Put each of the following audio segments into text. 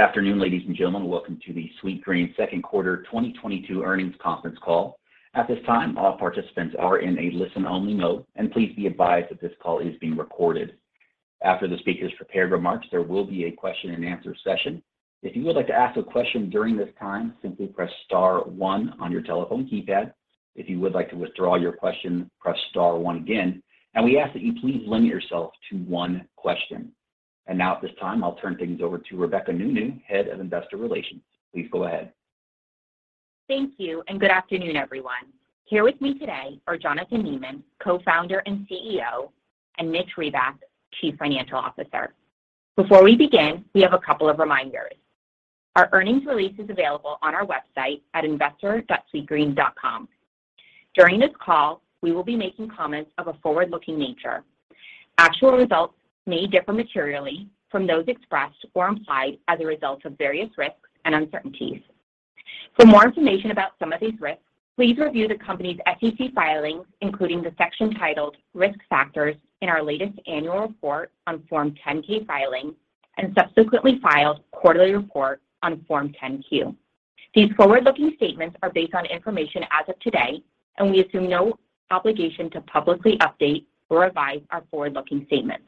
Good afternoon, ladies and gentlemen. Welcome to the Sweetgreen Q2 2022 Earnings Conference Call. At this time, all participants are in a listen-only mode, and please be advised that this call is being recorded. After the speaker's prepared remarks, there will be a question-and-answer session. If you would like to ask a question during this time, simply press star one on your telephone keypad. If you would like to withdraw your question, press star one again, and we ask that you please limit yourself to one question. Now, at this time, I'll turn things over to Rebecca Nounou, Head of Investor Relations. Please go ahead. Thank you, and good afternoon, everyone. Here with me today are Jonathan Neman, Co-Founder and CEO, and Mitch Reback, Chief Financial Officer. Before we begin, we have a couple of reminders. Our earnings release is available on our website at investor.sweetgreen.com. During this call, we will be making comments of a forward-looking nature. Actual results may differ materially from those expressed or implied as a result of various risks and uncertainties. For more information about some of these risks, please review the company's SEC filings, including the section titled Risk Factors in our latest annual report on Form 10-K filing and subsequently filed quarterly report on Form 10-Q. These forward-looking statements are based on information as of today, and we assume no obligation to publicly update or revise our forward-looking statements.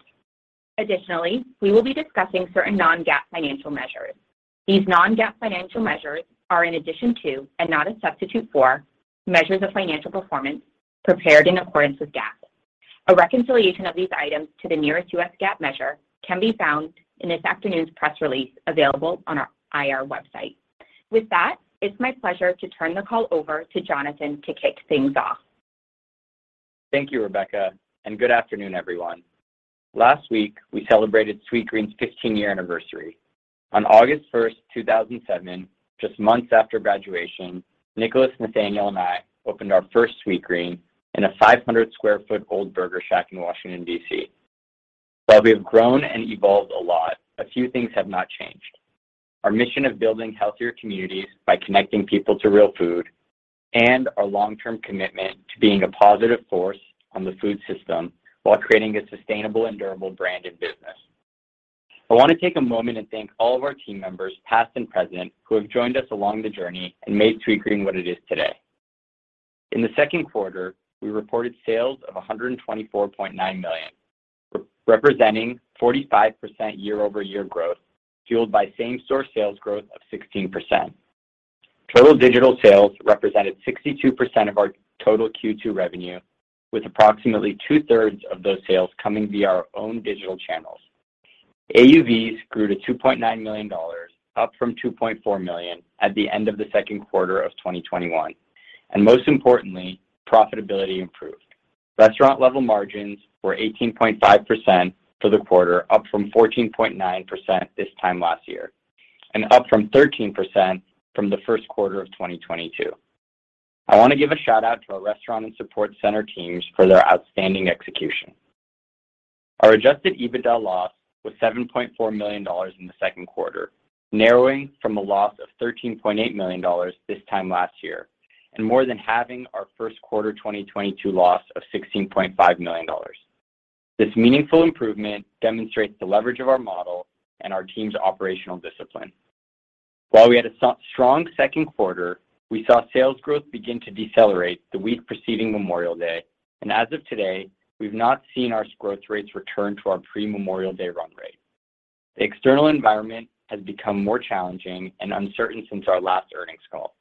Additionally, we will be discussing certain non-GAAP financial measures. These non-GAAP financial measures are in addition to, and not a substitute for, measures of financial performance prepared in accordance with GAAP. A reconciliation of these items to the nearest US GAAP measure can be found in this afternoon's press release available on our IR website. With that, it's my pleasure to turn the call over to Jonathan to kick things off. Thank you, Rebecca, and good afternoon, everyone. Last week, we celebrated Sweetgreen's 15-year anniversary. On August 1st, 2007, just months after graduation, Nicolas, Nathaniel, and I opened our first Sweetgreen in a 500 sq ft old burger shack in Washington, D.C. While we have grown and evolved a lot, a few things have not changed. Our mission of building healthier communities by connecting people to real food and our long-term commitment to being a positive force on the food system while creating a sustainable and durable brand and business. I want to take a moment and thank all of our team members, past and present, who have joined us along the journey and made Sweetgreen what it is today. In the Q2, we reported sales of $124.9 million, representing 45% year-over-year growth, fueled by same-store sales growth of 16%. Total digital sales represented 62% of our total Q2 revenue, with approximately two-thirds of those sales coming via our own digital channels. AUVs grew to $2.9 million, up from $2.4 million at the end of the Q2 of 2021. Most importantly, profitability improved. Restaurant-level margins were 18.5% for the quarter, up from 14.9% this time last year, and up from 13% from the Q1 of 2022. I want to give a shout-out to our restaurant and support center teams for their outstanding execution. Our adjusted EBITDA loss was $7.4 million in the Q2, narrowing from a loss of $13.8 million this time last year, and more than halving our Q1 2022 loss of $16.5 million. This meaningful improvement demonstrates the leverage of our model and our team's operational discipline. While we had a strong Q2, we saw sales growth begin to decelerate the week preceding Memorial Day. As of today, we've not seen our growth rates return to our pre-Memorial Day run rate. The external environment has become more challenging and uncertain since our last earnings call.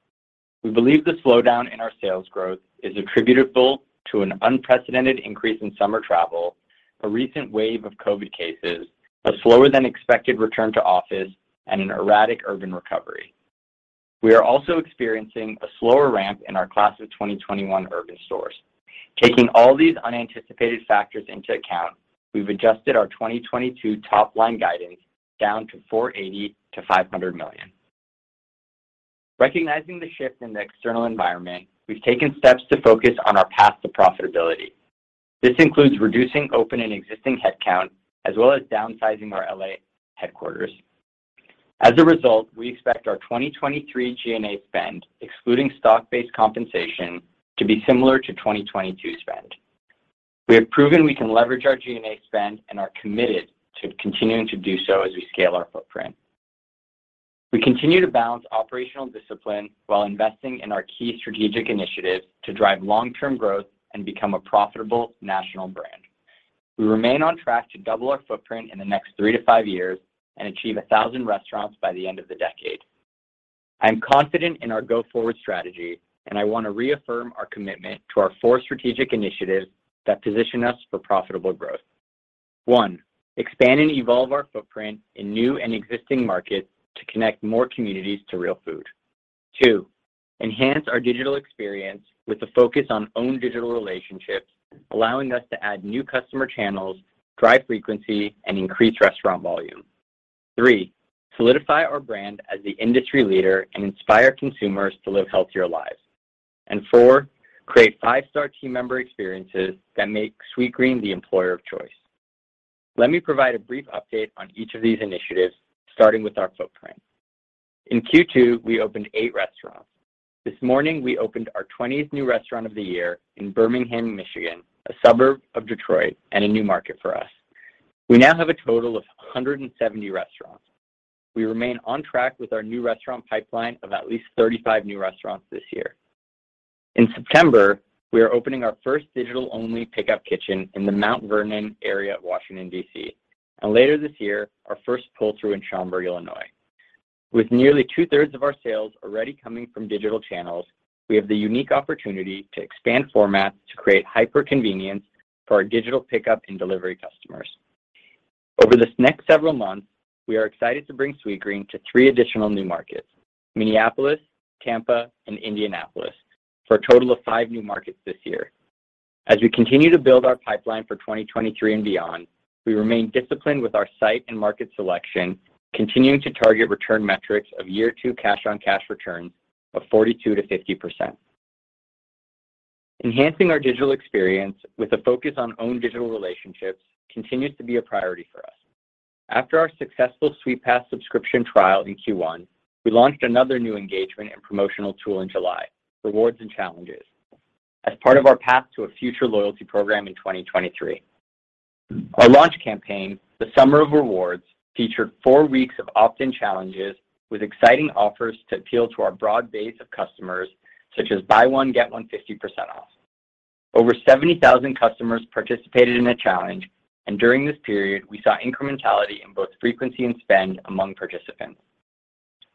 We believe the slowdown in our sales growth is attributable to an unprecedented increase in summer travel, a recent wave of COVID cases, a slower-than-expected return to office, and an erratic urban recovery. We are also experiencing a slower ramp in our class of 2021 urban stores. Taking all these unanticipated factors into account, we've adjusted our 2022 top-line guidance down to $480 million-$500 million. Recognizing the shift in the external environment, we've taken steps to focus on our path to profitability. This includes reducing open and existing headcount, as well as downsizing our L.A. headquarters. As a result, we expect our 2023 G&A spend, excluding stock-based compensation, to be similar to 2022 spend. We have proven we can leverage our G&A spend and are committed to continuing to do so as we scale our footprint. We continue to balance operational discipline while investing in our key strategic initiatives to drive long-term growth and become a profitable national brand. We remain on track to double our footprint in the next three to five years and achieve 1,000 restaurants by the end of the decade. I am confident in our go-forward strategy, and I want to reaffirm our commitment to our four strategic initiatives that position us for profitable growth. One, expand and evolve our footprint in new and existing markets to connect more communities to real food. Two, enhance our digital experience with a focus on own digital relationships, allowing us to add new customer channels, drive frequency, and increase restaurant volume. Three, solidify our brand as the industry leader and inspire consumers to live healthier lives. Four, create five-star team member experiences that make Sweetgreen the employer of choice. Let me provide a brief update on each of these initiatives, starting with our footprint. In Q2, we opened eight restaurants. This morning, we opened our 20th new restaurant of the year in Birmingham, Michigan, a suburb of Detroit, and a new market for us. We now have a total of 170 restaurants. We remain on track with our new restaurant pipeline of at least 35 new restaurants this year. In September, we are opening our first digital-only pickup kitchen in the Mount Vernon area of Washington, D.C., and later this year, our first pull-through in Schaumburg, Illinois. With nearly two-thirds of our sales already coming from digital channels, we have the unique opportunity to expand formats to create hyper-convenience for our digital pickup and delivery customers. Over this next several months, we are excited to bring Sweetgreen to three additional new markets, Minneapolis, Tampa, and Indianapolis, for a total of five new markets this year. As we continue to build our pipeline for 2023 and beyond, we remain disciplined with our site and market selection, continuing to target return metrics of year two cash-on-cash returns of 42%-50%. Enhancing our digital experience with a focus on owned digital relationships continues to be a priority for us. After our successful Sweetpass subscription trial in Q1, we launched another new engagement and promotional tool in July, Rewards and Challenges, as part of our path to a future loyalty program in 2023. Our launch campaign, the Summer of Rewards, featured four weeks of opt-in challenges with exciting offers to appeal to our broad base of customers, such as Buy One, Get One, 50% off. Over 70,000 customers participated in a challenge, and during this period, we saw incrementality in both frequency and spend among participants.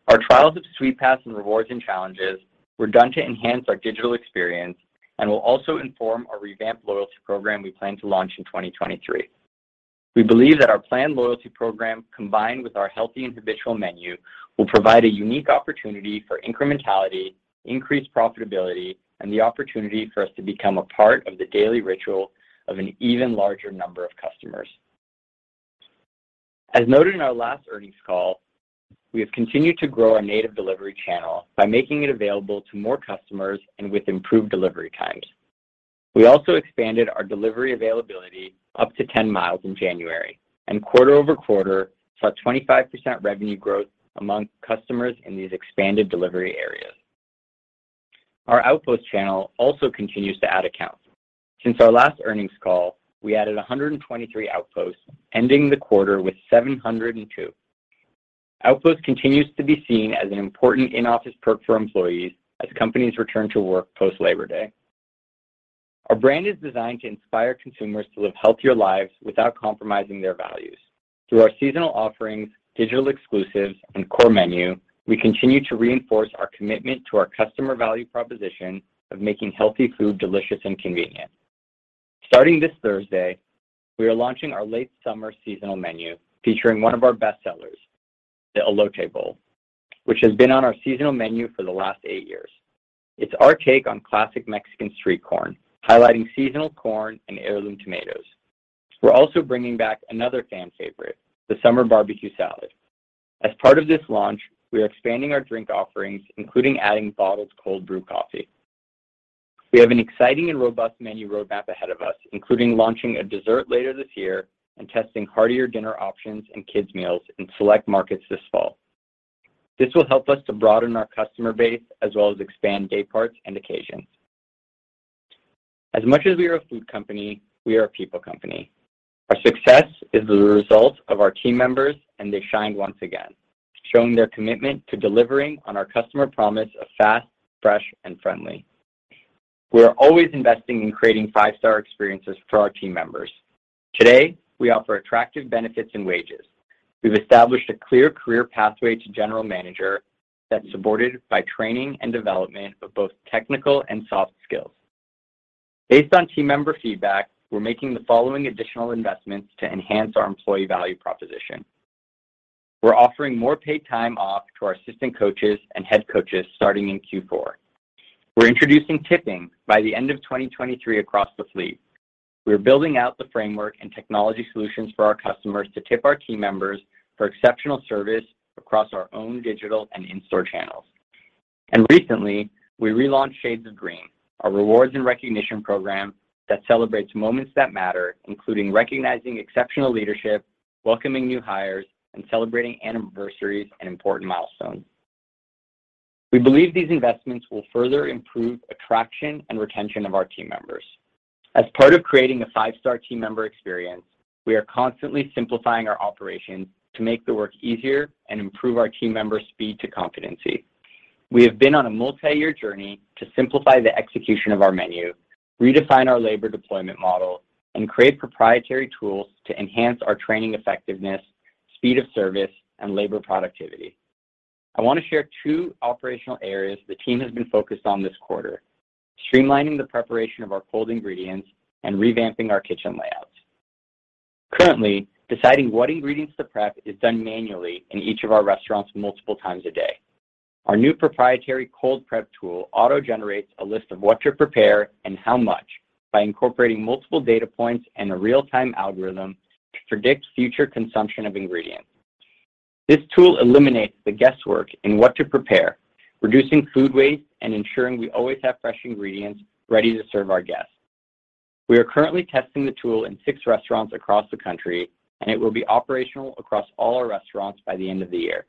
Our trials of Sweetpass and Rewards and Challenges were done to enhance our digital experience and will also inform our revamped loyalty program we plan to launch in 2023. We believe that our planned loyalty program, combined with our healthy individual menu, will provide a unique opportunity for incrementality, increased profitability, and the opportunity for us to become a part of the daily ritual of an even larger number of customers. As noted in our last earnings call, we have continued to grow our native delivery channel by making it available to more customers and with improved delivery times. We also expanded our delivery availability up to 10 miles in January, and quarter-over-quarter saw 25% revenue growth among customers in these expanded delivery areas. Our Outpost channel also continues to add accounts. Since our last earnings call, we added 123 Outposts, ending the quarter with 702. Outpost continues to be seen as an important in-office perk for employees as companies return to work post Labor Day. Our brand is designed to inspire consumers to live healthier lives without compromising their values. Through our seasonal offerings, digital exclusives, and core menu, we continue to reinforce our commitment to our customer value proposition of making healthy food delicious and convenient. Starting this Thursday, we are launching our late summer seasonal menu featuring one of our best sellers, the Elote Bowl, which has been on our seasonal menu for the last eight years. It’s our take on classic Mexican street corn, highlighting seasonal corn and heirloom tomatoes. We’re also bringing back another fan favorite, the Summer BBQ Salad. As part of this launch, we are expanding our drink offerings, including adding bottled cold brew coffee. We have an exciting and robust menu roadmap ahead of us, including launching a dessert later this year and testing heartier dinner options and kids' meals in select markets this fall. This will help us to broaden our customer base as well as expand day parts and occasions. As much as we are a food company, we are a people company. Our success is the result of our team members, and they shined once again, showing their commitment to delivering on our customer promise of fast, fresh, and friendly. We are always investing in creating five-star experiences for our team members. Today, we offer attractive benefits and wages. We’ve established a clear career pathway to General Manager that’s supported by training and development of both technical and soft skills. Based on team member feedback, we’re making the following additional investments to enhance our employee value proposition. We’re offering more paid time off to our assistant coaches and head coaches starting in Q4. We’re introducing tipping by the end of 2023 across the fleet. We’re building out the framework and technology solutions for our customers to tip our team members for exceptional service across our own digital and in-store channels. Recently, we relaunched Shades of Green, our rewards and recognition program that celebrates moments that matter, including recognizing exceptional leadership, welcoming new hires, and celebrating anniversaries and important milestones. We believe these investments will further improve attraction and retention of our team members. As part of creating a five-star team member experience, we are constantly simplifying our operations to make the work easier and improve our team members' speed to competency. We have been on a multiyear journey to simplify the execution of our menu, redefine our labor deployment model, and create proprietary tools to enhance our training effectiveness, speed of service, and labor productivity. I want to share two operational areas the team has been focused on this quarter, streamlining the preparation of our cold ingredients and revamping our kitchen layouts. Currently, deciding what ingredients to prep is done manually in each of our restaurants multiple times a day. Our new proprietary cold prep tool auto-generates a list of what to prepare and how much by incorporating multiple data points and a real-time algorithm to predict future consumption of ingredients. This tool eliminates the guesswork in what to prepare, reducing food waste and ensuring we always have fresh ingredients ready to serve our guests. We are currently testing the tool in six restaurants across the country, and it will be operational across all our restaurants by the end of the year.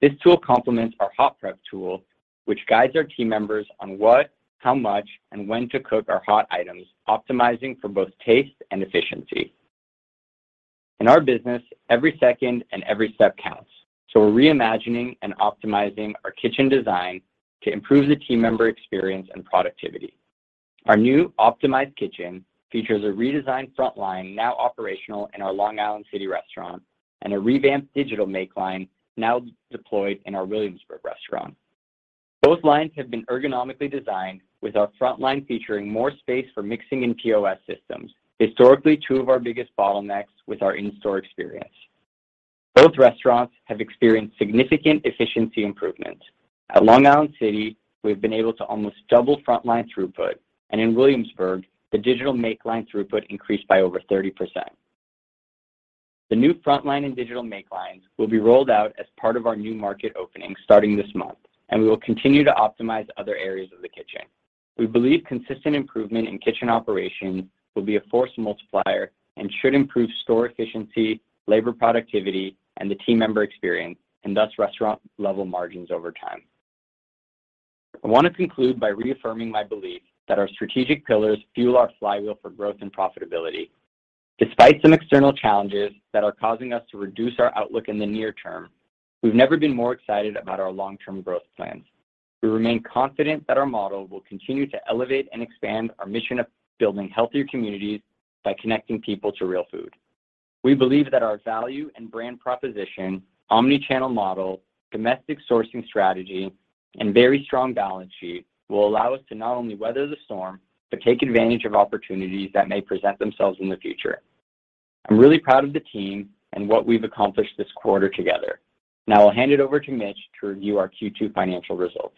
This tool complements our hot prep tool, which guides our team members on what, how much, and when to cook our hot items, optimizing for both taste and efficiency. In our business, every second and every step counts, so we're reimagining and optimizing our kitchen design to improve the team member experience and productivity. Our new optimized kitchen features a redesigned front line now operational in our Long Island City restaurant and a revamped digital make line now deployed in our Williamsburg restaurant. Both lines have been ergonomically designed with our front line featuring more space for mixing and POS systems, historically two of our biggest bottlenecks with our in-store experience. Both restaurants have experienced significant efficiency improvements. At Long Island City, we've been able to almost double frontline throughput, and in Williamsburg, the digital make line throughput increased by over 30%. The new frontline and digital make lines will be rolled out as part of our new market opening starting this month, and we will continue to optimize other areas of the kitchen. We believe consistent improvement in kitchen operations will be a force multiplier and should improve store efficiency, labor productivity, and the team member experience, and thus restaurant-level margins over time. I want to conclude by reaffirming my belief that our strategic pillars fuel our flywheel for growth and profitability. Despite some external challenges that are causing us to reduce our outlook in the near term, we've never been more excited about our long-term growth plans. We remain confident that our model will continue to elevate and expand our mission of building healthier communities by connecting people to real food. We believe that our value and brand proposition, omni-channel model, domestic sourcing strategy, and very strong balance sheet will allow us to not only weather the storm, but take advantage of opportunities that may present themselves in the future. I'm really proud of the team and what we've accomplished this quarter together. Now I'll hand it over to Mitch to review our Q2 financial results.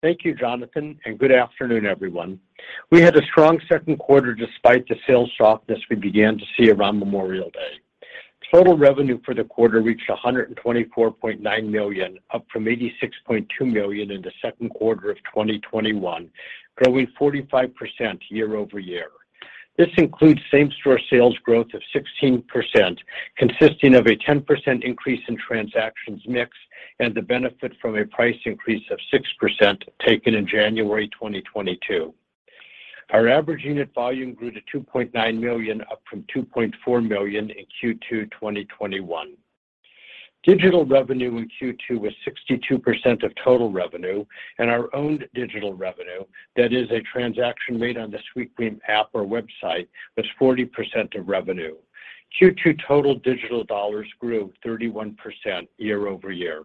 Thank you, Jonathan, and good afternoon, everyone. We had a strong Q2 despite the sales softness we began to see around Memorial Day. Total revenue for the quarter reached $124.9 million, up from $86.2 million in the Q2 of 2021, growing 45% year-over-year. This includes same-store sales growth of 16%, consisting of a 10% increase in transactions mix and the benefit from a price increase of 6% taken in January 2022. Our average unit volume grew to $2.9 million, up from $2.4 million in Q2 2021. Digital revenue in Q2 was 62% of total revenue, and our own digital revenue, that is a transaction made on the Sweetgreen app or website, was 40% of revenue. Q2 total digital dollars grew 31% year-over-year.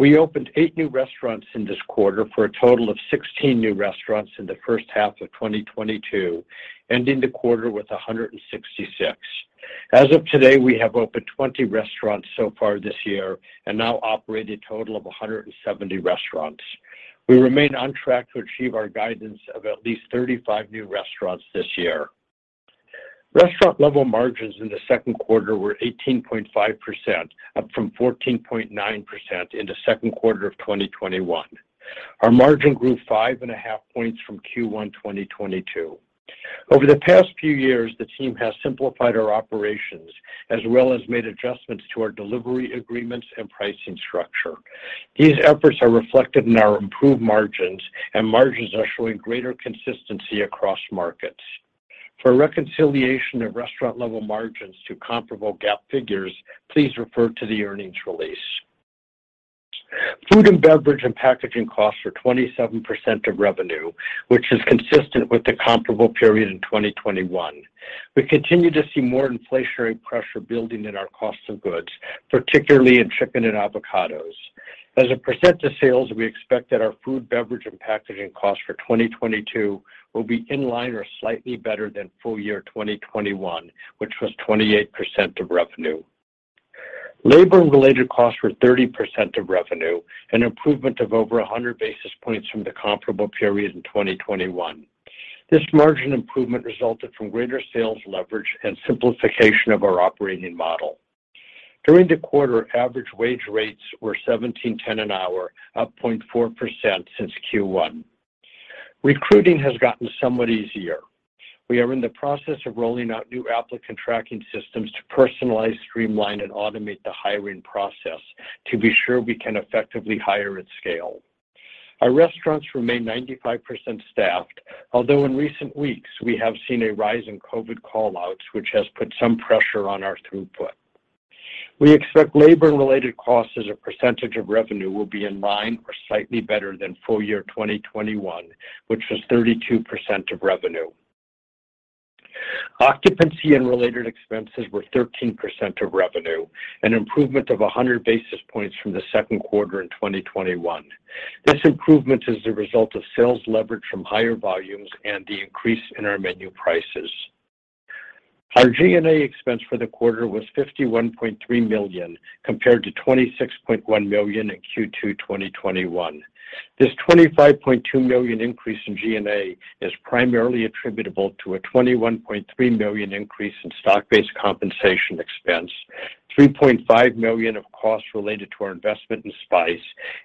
We opened eight new restaurants in this quarter for a total of 16 new restaurants in the H1 of 2022, ending the quarter with 166. As of today, we have opened 20 restaurants so far this year and now operate a total of 170 restaurants. We remain on track to achieve our guidance of at least 35 new restaurants this year. Restaurant-level margins in the Q2 were 18.5%, up from 14.9% in the Q2 of 2021. Our margin grew 5.5 points from Q1 2022. Over the past few years, the team has simplified our operations as well as made adjustments to our delivery agreements and pricing structure. These efforts are reflected in our improved margins, and margins are showing greater consistency across markets. For a reconciliation of restaurant-level margins to comparable GAAP figures, please refer to the earnings release. Food and beverage and packaging costs are 27% of revenue, which is consistent with the comparable period in 2021. We continue to see more inflationary pressure building in our cost of goods, particularly in chicken and avocados. As a percent of sales, we expect that our food, beverage, and packaging costs for 2022 will be in line or slightly better than FY 2021, which was 28% of revenue. Labor and related costs were 30% of revenue, an improvement of over 100 basis points from the comparable period in 2021. This margin improvement resulted from greater sales leverage and simplification of our operating model. During the quarter, average wage rates were $17.10 an hour, up 0.4% since Q1. Recruiting has gotten somewhat easier. We are in the process of rolling out new applicant tracking systems to personalize, streamline, and automate the hiring process to be sure we can effectively hire at scale. Our restaurants remain 95% staffed, although in recent weeks we have seen a rise in COVID call-outs, which has put some pressure on our throughput. We expect labor and related costs as a percentage of revenue will be in line or slightly better than full year 2021, which was 32% of revenue. Occupancy and related expenses were 13% of revenue, an improvement of 100 basis points from the Q2 in 2021. This improvement is the result of sales leverage from higher volumes and the increase in our menu prices. Our G&A expense for the quarter was $51.3 million, compared to $26.1 million in Q2 2021. This $25.2 million increase in G&A is primarily attributable to a $21.3 million increase in stock-based compensation expense. $3.5 million of costs related to our investment in Spyce,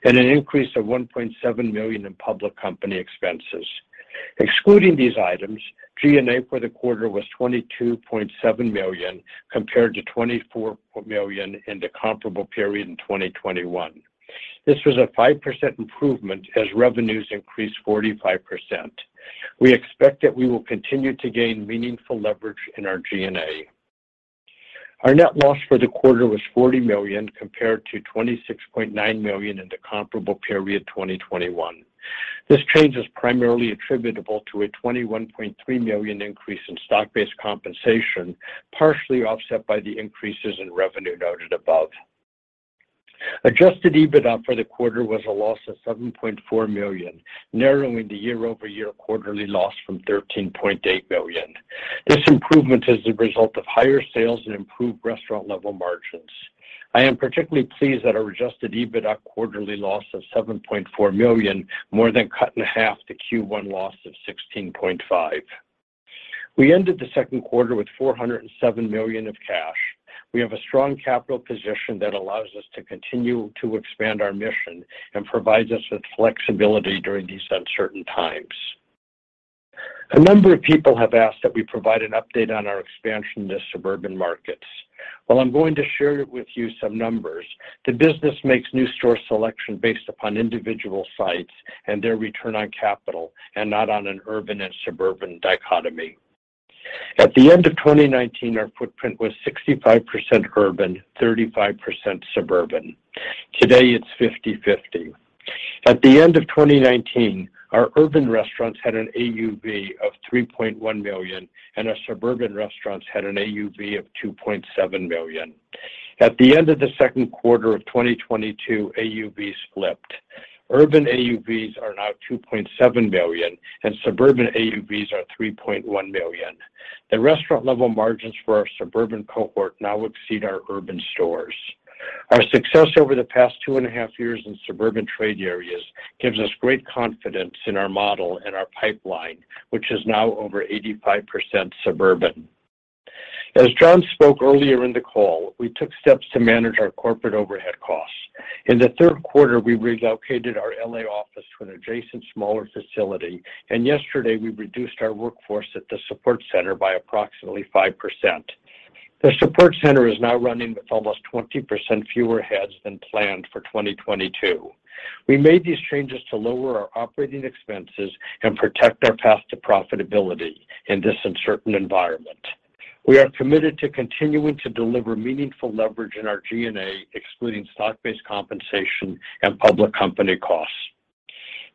and an increase of $1.7 million in public company expenses. Excluding these items, G&A for the quarter was $22.7 million, compared to $24 million in the comparable period in 2021. This was a 5% improvement as revenues increased 45%. We expect that we will continue to gain meaningful leverage in our G&A. Our net loss for the quarter was $40 million compared to $26.9 million in the comparable period 2021. This change is primarily attributable to a $21.3 million increase in stock-based compensation, partially offset by the increases in revenue noted above. Adjusted EBITDA for the quarter was a loss of $7.4 million, narrowing the year-over-year quarterly loss from $13.8 million. This improvement is the result of higher sales and improved restaurant-level margins. I am particularly pleased that our adjusted EBITDA quarterly loss of $7.4 million more than cut in half the Q1 loss of $16.5 million. We ended the Q2 with $407 million of cash. We have a strong capital position that allows us to continue to expand our mission and provides us with flexibility during these uncertain times. A number of people have asked that we provide an update on our expansion to suburban markets. While I'm going to share with you some numbers, the business makes new store selection based upon individual sites and their return on capital, and not on an urban and suburban dichotomy. At the end of 2019, our footprint was 65% urban, 35% suburban. Today it's 50/50. At the end of 2019, our urban restaurants had an AUV of $3.1 million, and our suburban restaurants had an AUV of $2.7 million. At the end of the Q2 of 2022, AUVs flipped. Urban AUVs are now $2.7 million, and suburban AUVs are $3.1 million. The restaurant-level margins for our suburban cohort now exceed our urban stores. Our success over the past 2.5 years in suburban trade areas gives us great confidence in our model and our pipeline, which is now over 85% suburban. As Jon spoke earlier in the call, we took steps to manage our corporate overhead costs. In the Q3, we relocated our L.A. office to an adjacent smaller facility, and yesterday we reduced our workforce at the support center by approximately 5%. The support center is now running with almost 20% fewer heads than planned for 2022. We made these changes to lower our operating expenses and protect our path to profitability in this uncertain environment. We are committed to continuing to deliver meaningful leverage in our G&A, excluding stock-based compensation and public company costs.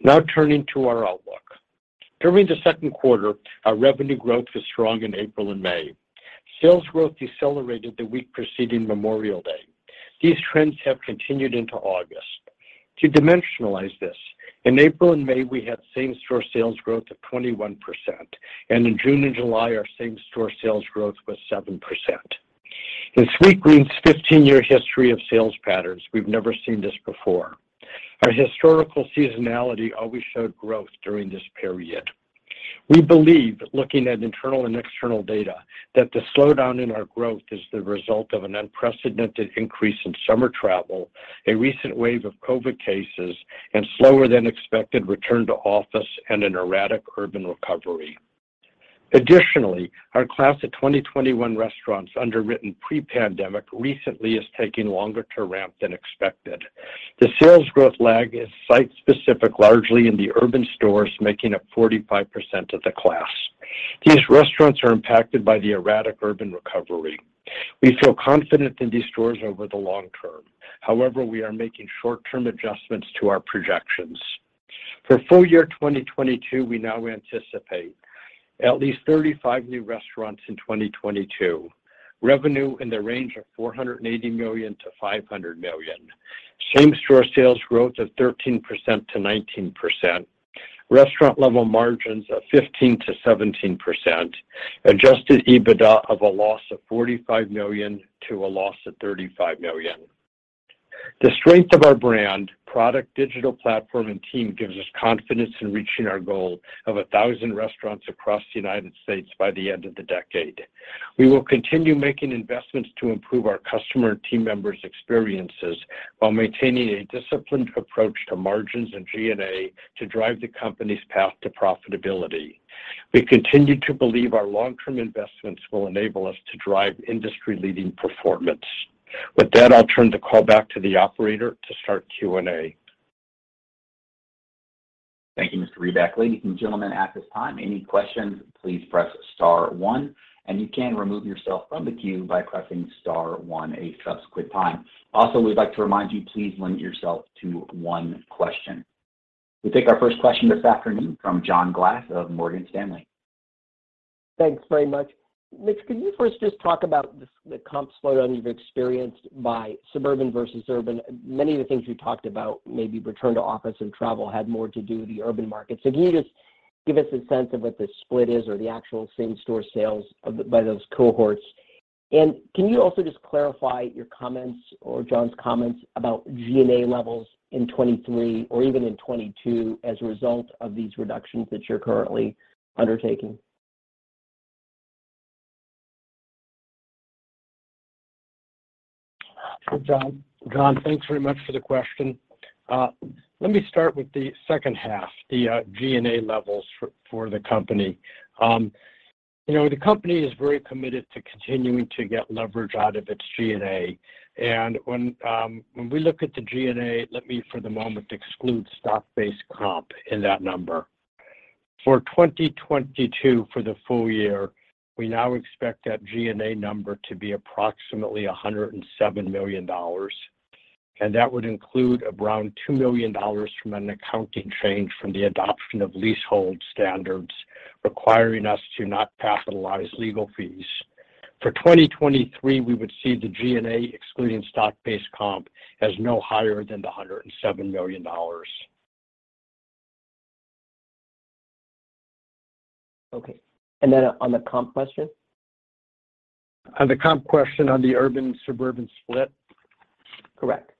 Now turning to our outlook. During the Q2, our revenue growth was strong in April and May. Sales growth decelerated the week preceding Memorial Day. These trends have continued into August. To dimensionalize this, in April and May, we had same-store sales growth of 21%, and in June and July, our same-store sales growth was 7%. In Sweetgreen's 15-year history of sales patterns, we've never seen this before. Our historical seasonality always showed growth during this period. We believe, looking at internal and external data, that the slowdown in our growth is the result of an unprecedented increase in summer travel, a recent wave of COVID cases, and slower than expected return to office and an erratic urban recovery. Additionally, our class of 2021 restaurants underwritten pre-pandemic recently is taking longer to ramp than expected. The sales growth lag is site specific, largely in the urban stores making up 45% of the class. These restaurants are impacted by the erratic urban recovery. We feel confident in these stores over the long term. However, we are making short-term adjustments to our projections. For FY 2022, we now anticipate at least 35 new restaurants in 2022, revenue in the range of $480 million-$500 million, same-store sales growth of 13%-19%, restaurant-level margins of 15%-17%, adjusted EBITDA of a loss of $45 million to a loss of $35 million. The strength of our brand, product, digital platform, and team gives us confidence in reaching our goal of 1,000 restaurants across the United States by the end of the decade. We will continue making investments to improve our customer and team members' experiences while maintaining a disciplined approach to margins and G&A to drive the company's path to profitability. We continue to believe our long-term investments will enable us to drive industry-leading performance. With that, I'll turn the call back to the operator to start Q&A. Thank you, Mr. Reback. Ladies and gentlemen, at this time, any questions, please press star one, and you can remove yourself from the queue by pressing star one a subsequent time. Also, we'd like to remind you, please limit yourself to one question. We take our first question this afternoon from John Glass of Morgan Stanley. Thanks very much. Mitch, can you first just talk about the comp slowdown you've experienced by suburban versus urban? Many of the things you talked about, maybe return to office and travel, had more to do with the urban market. Can you just give us a sense of what the split is or the actual same-store sales by those cohorts? Can you also just clarify your comments or John's comments about G&A levels in 2023 or even in 2022 as a result of these reductions that you're currently undertaking? John, thanks very much for the question. Let me start with the second half, the G&A levels for the company. You know, the company is very committed to continuing to get leverage out of its G&A. When we look at the G&A, let me, for the moment, exclude stock-based comp in that number. For 2022, for the FY, we now expect that G&A number to be approximately $107 million, and that would include around $2 million from an accounting change from the adoption of leasehold standards, requiring us to not capitalize legal fees. For 2023, we would see the G&A excluding stock-based comp as no higher than $107 million. Okay. On the comp question? On the comp question, on the urban/suburban split? Correct.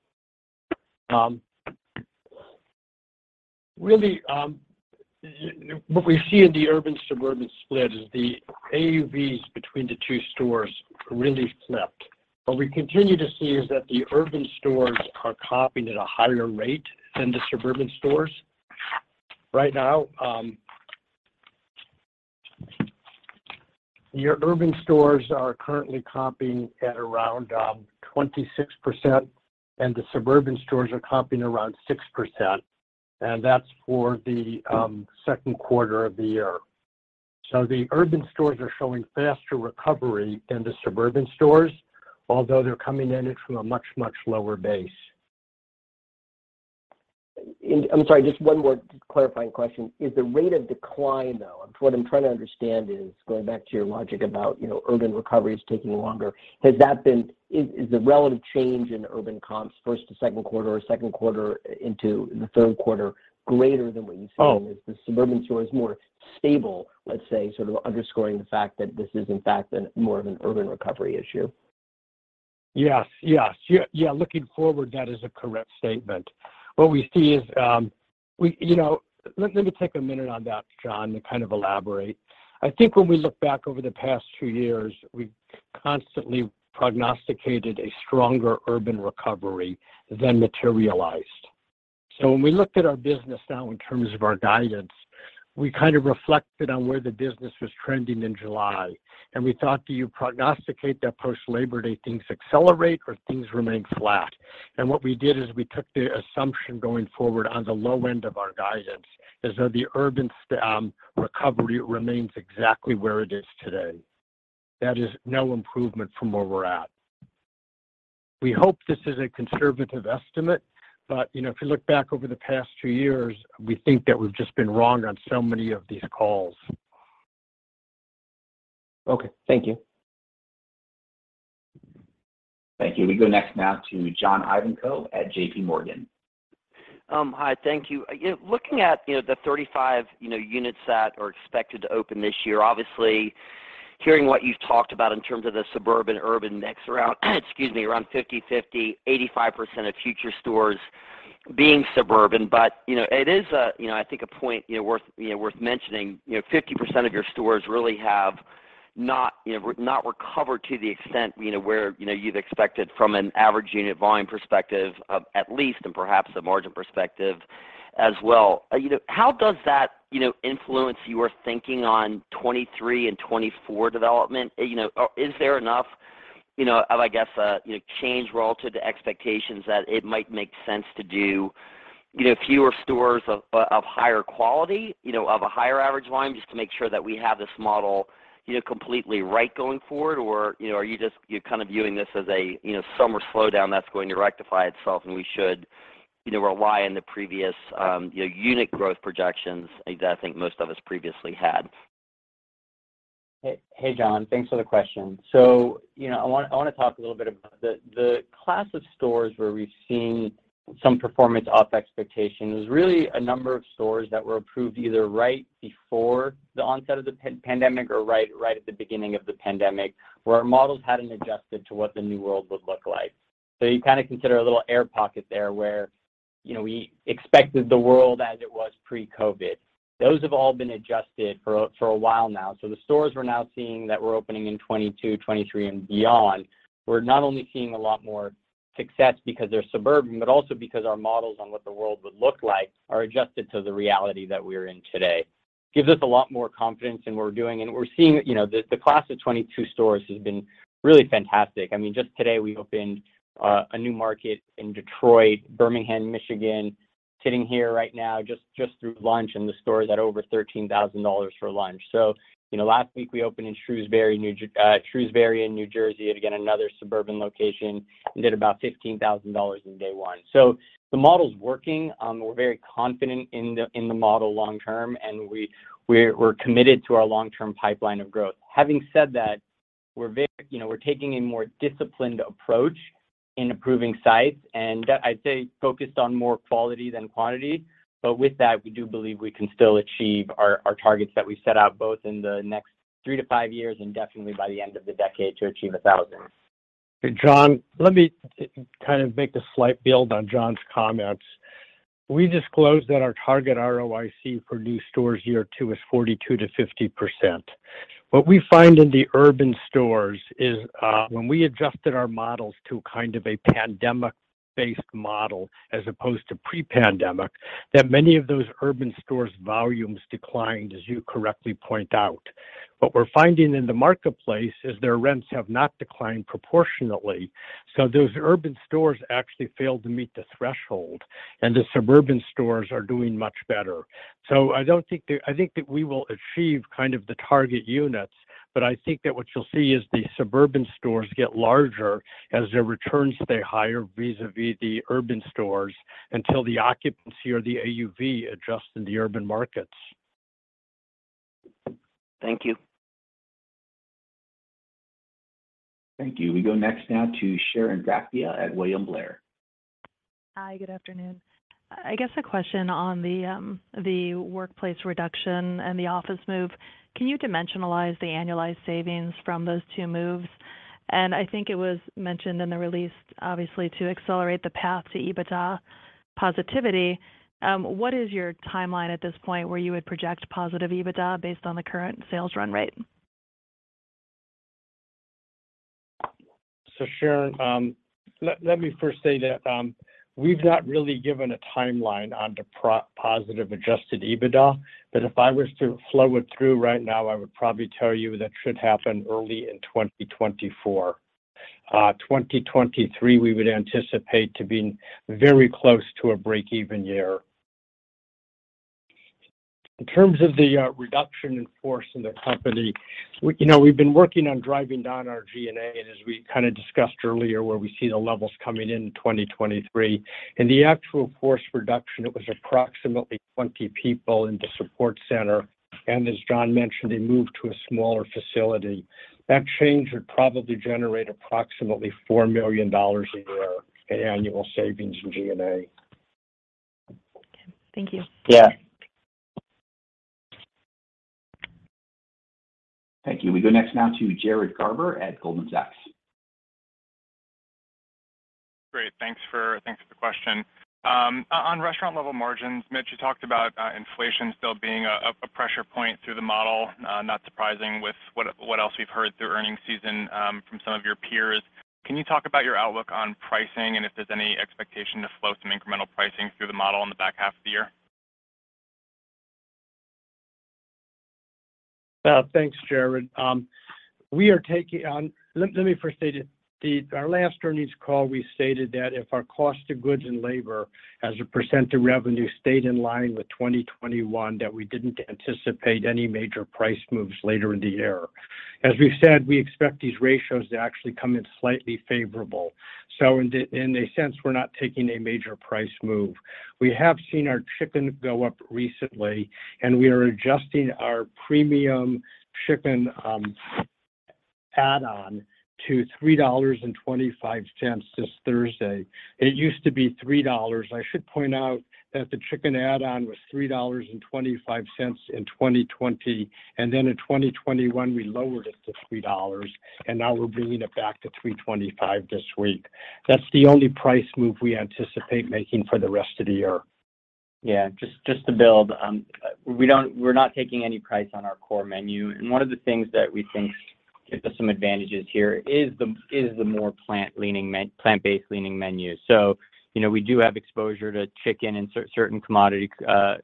Really, what we see in the urban/suburban split is the AUVs between the two stores really flipped. What we continue to see is that the urban stores are comping at a higher rate than the suburban stores. Right now, your urban stores are currently comping at around 26%, and the suburban stores are comping around 6%, and that's for the Q2 of the year. The urban stores are showing faster recovery than the suburban stores, although they're coming in it from a much, much lower base. I'm sorry, just one more clarifying question. Is the rate of decline, though? What I'm trying to understand is, going back to your logic about, you know, urban recovery is taking longer, is the relative change in urban comps first to Q2 or Q2 into the Q3 greater than what you've seen? Oh. Is the suburban stores more stable, let's say, sort of underscoring the fact that this is, in fact, an more of an urban recovery issue? Yes, yes. Yeah, looking forward, that is a correct statement. What we see is, we, you know. Let me take a minute on that, John, to kind of elaborate. I think when we look back over the past two years, we've constantly prognosticated a stronger urban recovery than materialized. When we looked at our business now in terms of our guidance, we kind of reflected on where the business was trending in July. We thought, do you prognosticate that post Labor Day things accelerate or things remain flat? What we did is we took the assumption going forward on the low end of our guidance as though the urban recovery remains exactly where it is today. That is no improvement from where we're at. We hope this is a conservative estimate, but, you know, if you look back over the past two years, we think that we've just been wrong on so many of these calls. Okay. Thank you. Thank you. We go next now to John Ivankoe at J.P. Morgan. Hi. Thank you. You know, looking at the 35 units that are expected to open this year. Obviously, hearing what you've talked about in terms of the suburban urban mix around 50/50, 85% of future stores being suburban. It is, you know, I think a point worth mentioning. You know, 50% of your stores really have not recovered to the extent where you've expected from an average unit volume perspective, at least, and perhaps a margin perspective as well. You know, how does that influence your thinking on 2023 and 2024 development? You know, or is there enough, you know, of, I guess, a, you know, change relative to expectations that it might make sense to do, you know, fewer stores of higher quality, you know, of a higher average volume, just to make sure that we have this model, you know, completely right going forward? Or, you know, are you just, you're kind of viewing this as a, you know, summer slowdown that's going to rectify itself and we should, you know, rely on the previous, you know, unit growth projections that I think most of us previously had? Hey, John, thanks for the question. You know, I wanna talk a little bit about the class of stores where we've seen some performance off expectation. There's really a number of stores that were approved either right before the onset of the pandemic or right at the beginning of the pandemic, where our models hadn't adjusted to what the new world would look like. You kind of consider a little air pocket there where, you know, we expected the world as it was pre-COVID. Those have all been adjusted for a while now. The stores we're now seeing that we're opening in 2022, 2023 and beyond, we're not only seeing a lot more success because they're suburban, but also because our models on what the world would look like are adjusted to the reality that we're in today. Gives us a lot more confidence in what we're doing, and we're seeing, you know, the class of 2022 stores has been really fantastic. I mean, just today we opened a new market in Detroit, Birmingham, Michigan. Sitting here right now, just through lunch, and the store is at over $13,000 for lunch. You know, last week we opened in Shrewsbury, New Jersey. Again, another suburban location, and did about $15,000 in day one. The model's working. We're very confident in the model long term, and we're committed to our long-term pipeline of growth. Having said that, you know, we're taking a more disciplined approach in approving sites, and I'd say focused on more quality than quantity. With that, we do believe we can still achieve our targets that we set out both in the next three to five years and definitely by the end of the decade to achieve 1,000. John, let me kind of make a slight build on Jon's comments. We disclose that our target ROIC for new stores year two is 42%-50%. What we find in the urban stores is, when we adjusted our models to kind of a pandemic-based model as opposed to pre-pandemic, that many of those urban stores' volumes declined, as you correctly point out. What we're finding in the marketplace is their rents have not declined proportionately. Those urban stores actually failed to meet the threshold, and the suburban stores are doing much better. I think that we will achieve kind of the target units, but I think that what you'll see is the suburban stores get larger as their returns stay higher vis-à-vis the urban stores until the occupancy or the AUV adjusts in the urban markets. Thank you. Thank you. We go next now to Sharon Zackfia at William Blair. Hi, good afternoon. I guess a question on the workplace reduction and the office move. Can you dimensionalize the annualized savings from those two moves? I think it was mentioned in the release, obviously, to accelerate the path to EBITDA positivity. What is your timeline at this point where you would project positive EBITDA based on the current sales run rate? Sharon, let me first say that, we've not really given a timeline on the pro forma positive adjusted EBITDA. If I was to flow it through right now, I would probably tell you that should happen early in 2024. 2023, we would anticipate to be very close to a break-even year. In terms of the reduction in force in the company, we, you know, we've been working on driving down our G&A, and as we kind of discussed earlier, where we see the levels coming in in 2023. In the actual force reduction, it was approximately 20 people in the support center. As John mentioned, a move to a smaller facility. That change would probably generate approximately $4 million a year in annual savings in G&A. Okay. Thank you. Yeah. Thank you. We go next now to Jared Garber at Goldman Sachs. Great. Thanks for the question. On restaurant-level margins, Mitch, you talked about inflation still being a pressure point through the model, not surprising with what else we've heard through earnings season, from some of your peers. Can you talk about your outlook on pricing and if there's any expectation to flow some incremental pricing through the model in the back half of the year? Thanks, Jared. Let me first state it. Our last earnings call, we stated that if our cost of goods and labor as a % of revenue stayed in line with 2021, that we didn't anticipate any major price moves later in the year. As we've said, we expect these ratios to actually come in slightly favorable. In a sense, we're not taking a major price move. We have seen our chicken go up recently, and we are adjusting our premium chicken add-on to $3.25 this Thursday. It used to be $3. I should point out that the chicken add-on was $3.25 in 2020, and then in 2021 we lowered it to $3, and now we're bringing it back to $3.25 this week. That's the only price move we anticipate making for the rest of the year. Just to build. We're not taking any price on our core menu. One of the things that we think gives us some advantages here is the more plant-based leaning menu. You know, we do have exposure to chicken and certain commodity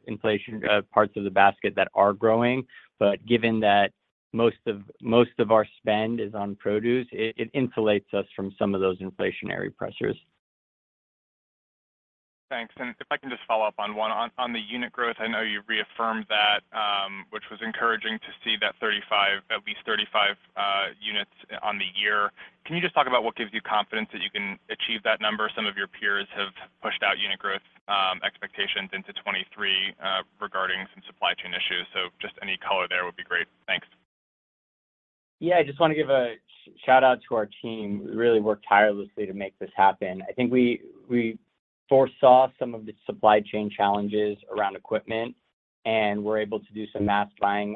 inflation parts of the basket that are growing. Given that most of our spend is on produce, it insulates us from some of those inflationary pressures. Thanks. If I can just follow up on one. On the unit growth, I know you reaffirmed that, which was encouraging to see that 35, at least 35, units on the year. Can you just talk about what gives you confidence that you can achieve that number? Some of your peers have pushed out unit growth expectations into 2023 regarding some supply chain issues. Just any color there would be great. Thanks. Yeah. I just wanna give a shout out to our team, who really worked tirelessly to make this happen. I think we foresaw some of the supply chain challenges around equipment and were able to do some mass buying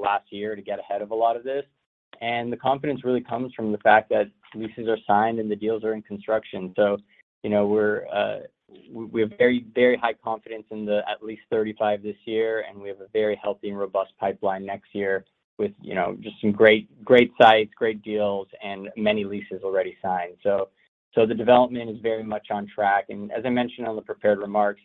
last year to get ahead of a lot of this. The confidence really comes from the fact that leases are signed and the deals are in construction. You know, we have very, very high confidence in the at least 35 this year, and we have a very healthy and robust pipeline next year with, you know, just some great sites, great deals, and many leases already signed. The development is very much on track. As I mentioned on the prepared remarks,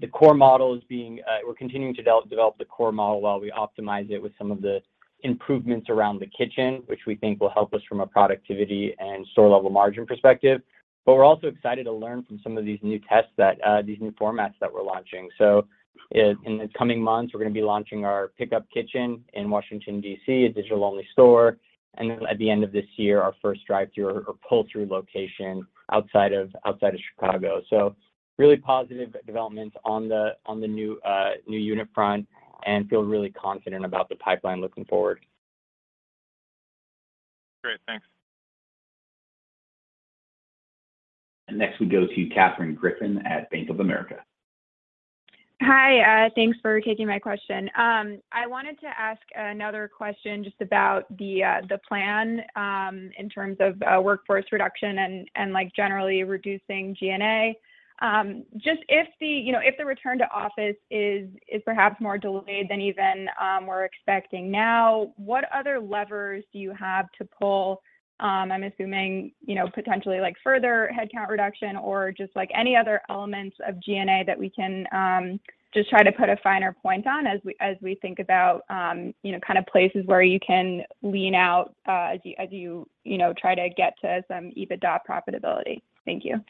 the core models being... We're continuing to develop the core model while we optimize it with some of the improvements around the kitchen, which we think will help us from a productivity and store level margin perspective. We're also excited to learn from some of these new tests that these new formats that we're launching. In the coming months, we're gonna be launching our pickup kitchen in Washington, D.C., a digital-only store, and then at the end of this year, our first drive-through or pull-through location outside of Chicago. Really positive developments on the new unit front and feel really confident about the pipeline looking forward. Great. Thanks. Next we go to Katherine Griffin at Bank of America. Hi, thanks for taking my question. I wanted to ask another question just about the plan in terms of workforce reduction and like generally reducing G&A. Just if the you know if the return to office is perhaps more delayed than even we're expecting now, what other levers do you have to pull? I'm assuming you know potentially like further headcount reduction or just like any other elements of G&A that we can just try to put a finer point on as we think about you know kind of places where you can lean out as you know try to get to some EBITDA profitability. Thank you.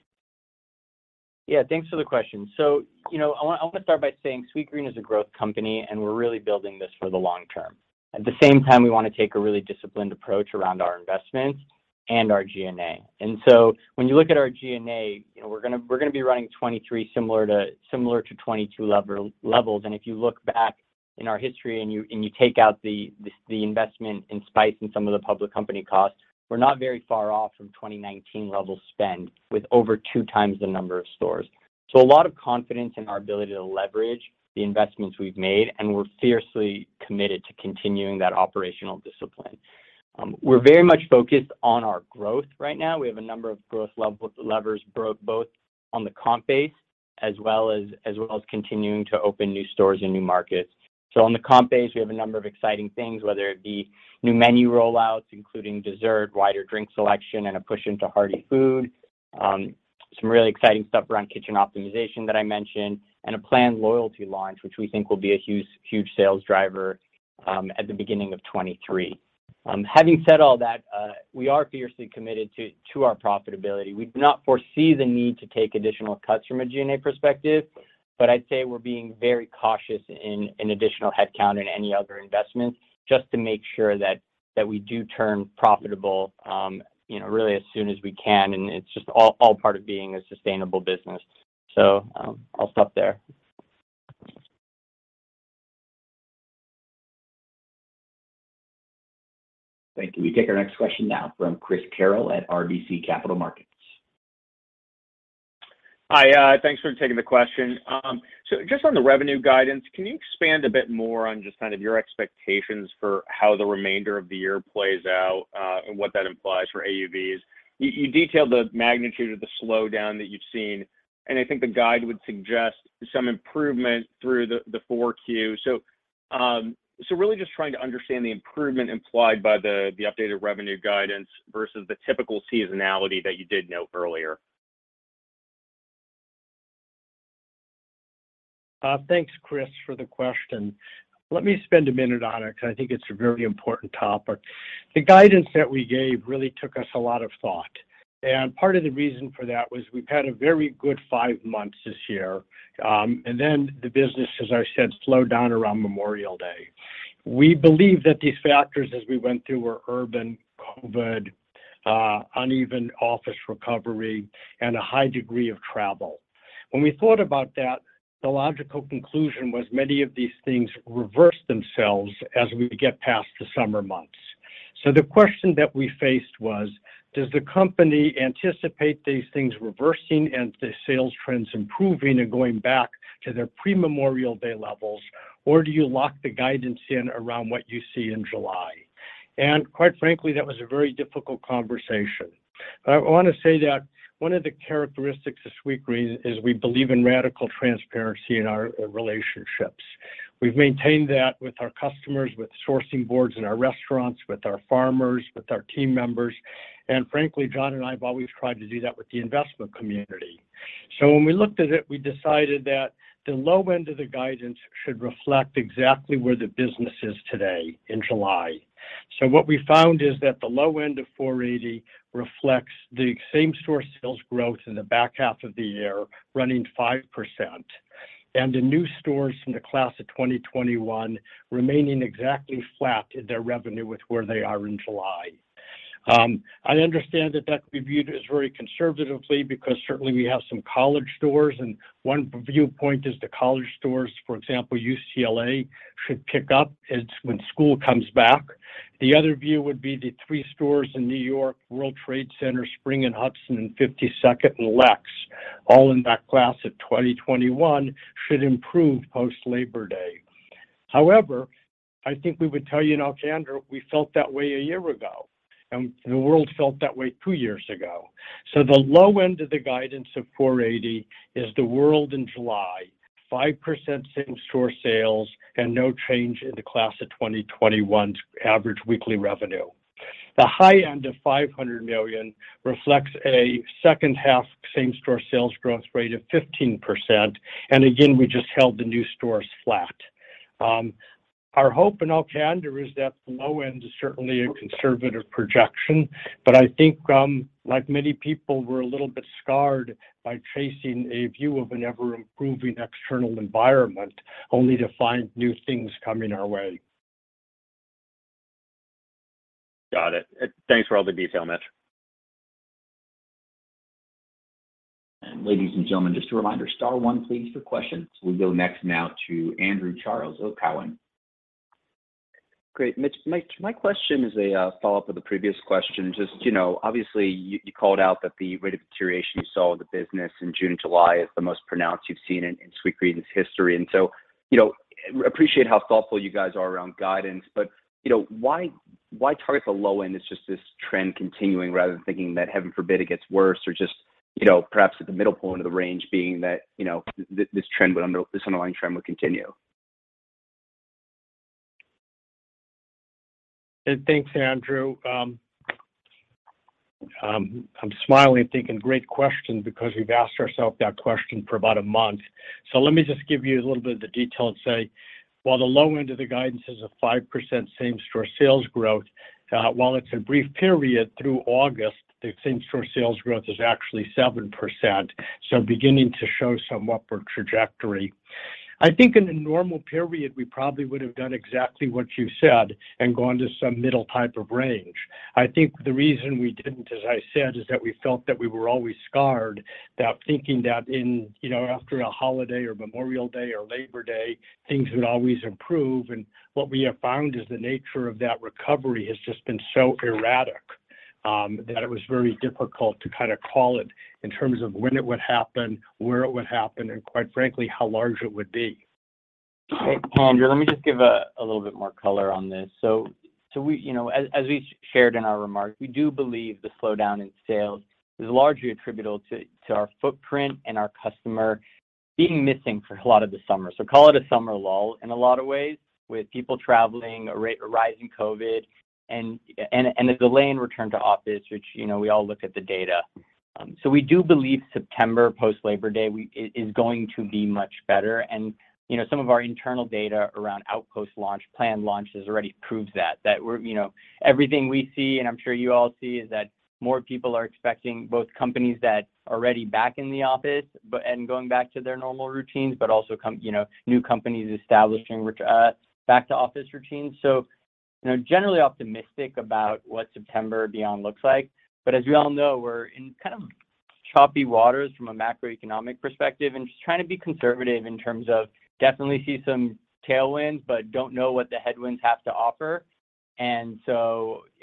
Yeah. Thanks for the question. You know, I wanna start by saying Sweetgreen is a growth company, and we're really building this for the long term. At the same time, we wanna take a really disciplined approach around our investments and our G&A. When you look at our G&A, you know, we're gonna be running 2023 similar to 2022 levels. If you look back in our history and you take out the investment in Spyce and some of the public company costs, we're not very far off from 2019 level spend with over two times the number of stores. A lot of confidence in our ability to leverage the investments we've made, and we're fiercely committed to continuing that operational discipline. We're very much focused on our growth right now. We have a number of growth levers both on the comp base as well as continuing to open new stores in new markets. On the comp base, we have a number of exciting things, whether it be new menu rollouts, including dessert, wider drink selection, and a push into hearty food. Some really exciting stuff around kitchen optimization that I mentioned, and a planned loyalty launch, which we think will be a huge sales driver, at the beginning of 2023. Having said all that, we are fiercely committed to our profitability. We do not foresee the need to take additional cuts from a G&A perspective, but I'd say we're being very cautious in additional headcount and any other investments just to make sure that we do turn profitable, you know, really as soon as we can. It's just all part of being a sustainable business. I'll stop there. Thank you. We take our next question now from Chris Carril at RBC Capital Markets. Hi. Thanks for taking the question. Just on the revenue guidance, can you expand a bit more on just kind of your expectations for how the remainder of the year plays out, and what that implies for AUVs? You detailed the magnitude of the slowdown that you've seen, and I think the guide would suggest some improvement through the 4Q. Really just trying to understand the improvement implied by the updated revenue guidance versus the typical seasonality that you did note earlier. Thanks, Chris, for the question. Let me spend a minute on it because I think it's a very important topic. The guidance that we gave really took us a lot of thought, and part of the reason for that was we've had a very good five months this year. And then the business, as I said, slowed down around Memorial Day. We believe that these factors, as we went through, were urban COVID, uneven office recovery, and a high degree of travel. When we thought about that, the logical conclusion was many of these things reverse themselves as we get past the summer months. The question that we faced was, does the company anticipate these things reversing and the sales trends improving and going back to their pre-Memorial Day levels, or do you lock the guidance in around what you see in July? Quite frankly, that was a very difficult conversation. I wanna say that one of the characteristics of Sweetgreen is we believe in radical transparency in our relationships. We've maintained that with our customers, with sourcing boards in our restaurants, with our farmers, with our team members. Frankly, John and I have always tried to do that with the investment community. When we looked at it, we decided that the low end of the guidance should reflect exactly where the business is today in July. What we found is that the low end of $480 reflects the same-store sales growth in the back half of the year running 5%, and the new stores from the class of 2021 remaining exactly flat in their revenue with where they are in July. I understand that that could be viewed as very conservatively because certainly we have some college stores, and one viewpoint is the college stores, for example, UCLA, should pick up when school comes back. The other view would be the three stores in New York, World Trade Center, Spring and Hudson, and 52nd and Lex, all in that class of 2021 should improve post-Labor Day. However, I think we would tell you in all candor, we felt that way a year ago, and the world felt that way two years ago. The low end of the guidance of $480 is the world in July, 5% same-store sales and no change in the class of 2021's average weekly revenue. The high end of $500 million reflects a H2 same-store sales growth rate of 15%, and again, we just held the new stores flat. Our hope in all candor is that the low end is certainly a conservative projection, but I think, like many people, we're a little bit scarred by chasing a view of an ever-improving external environment, only to find new things coming our way. Got it. Thanks for all the detail, Mitch. Ladies and gentlemen, just a reminder, star one please for questions. We go next now to Andrew Charles of Cowen. Great. Mitch, my question is a follow-up of the previous question. Just, you know, obviously you called out that the rate of deterioration you saw in the business in June and July is the most pronounced you've seen in Sweetgreen's history. You know, appreciate how thoughtful you guys are around guidance, but, you know, why target the low end is just this trend continuing rather than thinking that, heaven forbid, it gets worse or just, you know, perhaps at the middle point of the range being that, you know, this underlying trend would continue. Thanks, Andrew. I'm smiling thinking great question because we've asked ourselves that question for about a month. Let me just give you a little bit of the detail and say while the low end of the guidance is a 5% same-store sales growth, while it's a brief period through August, the same-store sales growth is actually 7%, so beginning to show some upward trajectory. I think in a normal period, we probably would have done exactly what you said and gone to some middle type of range. I think the reason we didn't, as I said, is that we were always scarred, that thinking that in, you know, after a holiday or Memorial Day or Labor Day, things would always improve. What we have found is the nature of that recovery has just been so erratic that it was very difficult to kind of call it in terms of when it would happen, where it would happen, and quite frankly, how large it would be. Andrew, let me just give a little bit more color on this. We, you know, as we shared in our remarks, we do believe the slowdown in sales is largely attributable to our footprint and our customer being missing for a lot of the summer. Call it a summer lull in a lot of ways with people traveling, a rise in COVID, and a delay in return to office, which, you know, we all look at the data. We do believe September post Labor Day is going to be much better. You know, some of our internal data around Outpost launch, planned launches already proves that we're, you know—everything we see, and I'm sure you all see, is that more people are expecting both companies that are already back in the office and going back to their normal routines, but also, you know, new companies establishing back to office routines. You know, generally optimistic about what September beyond looks like. As we all know, we're in kind of choppy waters from a macroeconomic perspective and just trying to be conservative in terms of definitely see some tailwinds, but don't know what the headwinds have to offer. You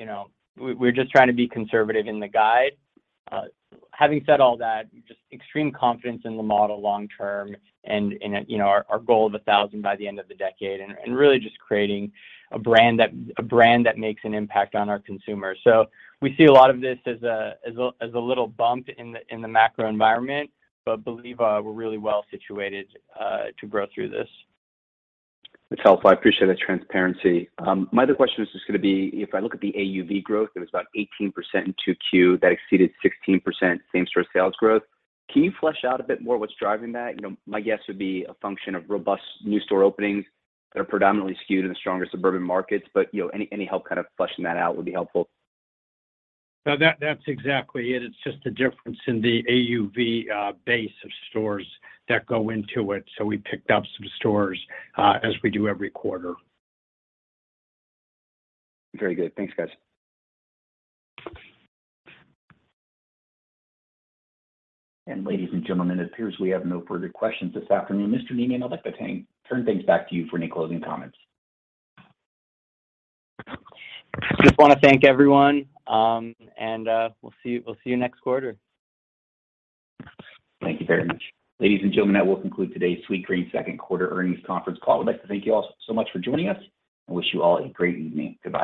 know, we're just trying to be conservative in the guide. Having said all that, just extreme confidence in the model long term and in, you know, our goal of 1000 by the end of the decade and really just creating a brand that makes an impact on our consumers. We see a lot of this as a little bump in the macro environment, but believe we're really well situated to grow through this. That's helpful. I appreciate that transparency. My other question is just gonna be if I look at the AUV growth, it was about 18% in 2Q that exceeded 16% same-store sales growth. Can you flesh out a bit more what's driving that? You know, my guess would be a function of robust new store openings that are predominantly skewed in the stronger suburban markets, but, you know, any help kind of fleshing that out would be helpful. No, that's exactly it. It's just a difference in the AUV base of stores that go into it. We picked up some stores as we do every quarter. Very good. Thanks, guys. Ladies and gentlemen, it appears we have no further questions this afternoon. Mr. Neman, I'd like to turn things back to you for any closing comments. Just wanna thank everyone, and we'll see you next quarter. Thank you very much. Ladies and gentlemen, that will conclude today's Sweetgreen Q2 Earnings Conference Call. I'd like to thank you all so much for joining us and wish you all a great evening. Goodbye.